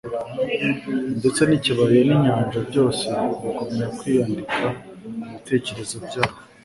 ndetse n'ikibaya n'inyanja byose bigumya kwiyandika mu bitekerezo byabo.